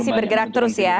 masih bergerak terus ya